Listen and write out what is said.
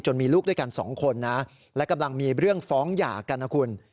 จนมีลูกด้วยกันสองคนและกำลังมีเรื่องฟ้องหยากัน